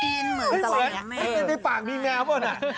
เสียงของแมวถึงหล่มสีน้ำไม้บ้าน